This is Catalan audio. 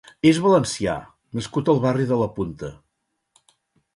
És valencià, nascut al barri de La Punta.